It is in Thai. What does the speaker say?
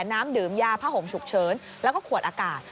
น้ำดื่มยาผ้าห่มฉุกเฉินแล้วก็ขวดอากาศ